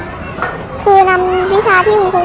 น้องน้องได้อยู่ทั้งส่วน